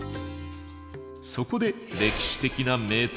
そこで歴史的な名刀